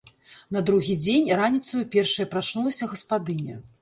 На другі дзень раніцаю першая прачнулася гаспадыня.